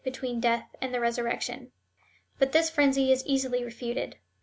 21 and the resurrection ; but this frenzy is easily refuted.